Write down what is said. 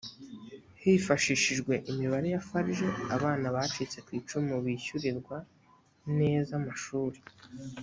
hifashishijwe imibare ya farg abana bacitse ku icumu bishyurirwa neza amashuri